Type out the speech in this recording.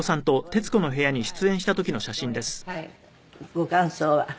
ご感想は？